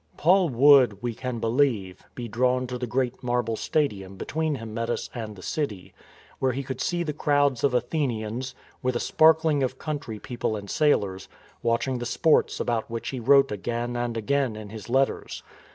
Paul would, we can believe, be drawn to the great marble Stadium between Hymettus and the city, where he could see the crowds of Athenians, with a sprin THE SCORN OF ATHENS 216 kling o£ country people and sailors, watching the sports about which he wrote again and again in his letters.